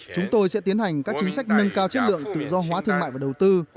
chúng tôi sẽ tiến hành các chính sách nâng cao chất lượng tự do hóa thương mại và đầu tư